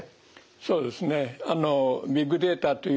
そうですね。